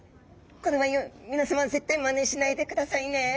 これは皆さまは絶対まねしないでくださいね。